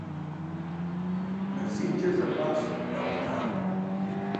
МазитӀкӀэ лъыхъуащ, ягъуэтакъым.